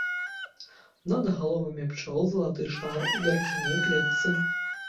Над галовамі пчол залаты шар у драцяной клетцы.